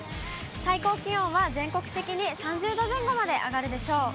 最高気温は全国的に３０度前後まで上がるでしょう。